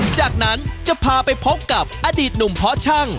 จากนั้นจะพาไปพบกับอดีตหนุ่มเพาะช่าง